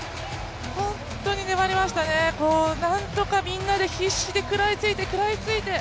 本当に粘りましたね、なんとかみんなで必死で食らいついて食らいついて